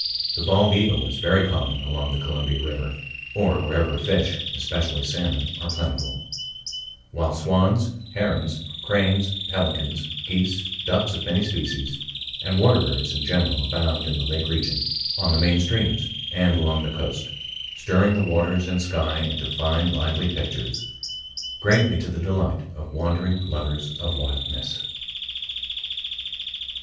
The bald eagle is very common along the Columbia River, or wherever fish, especially salmon, are plentiful, while swans, herons, cranes, pelicans, geese, ducks of many species, and water birds in general abound in the lake region, on the main streams, and along the coast, stirring the waters and sky into fine, lively pictures, greatly to the delight of wandering lovers of wildness.